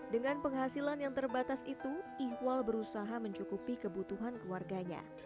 dengan penghasilan yang terbatas itu ihwal berusaha mencukupi kebutuhan keluarganya